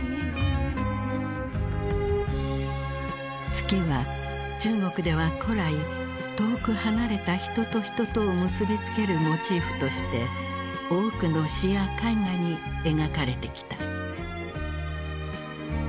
「月」は中国では古来遠く離れた人と人とを結び付けるモチーフとして多くの詩や絵画に描かれてきた。